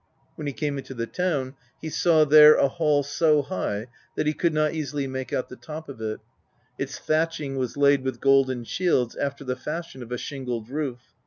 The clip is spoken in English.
When he came into the town, he saw there a hall so high that he could not easily make out the top of it: its thatching was laid with golden shields after the fash ion of a shingled roof.